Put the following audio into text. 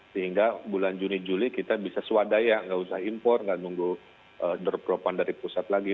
sehingga bulan juni juli kita bisa swadaya gak usah impor gak nunggu derpropan dari pusat lagi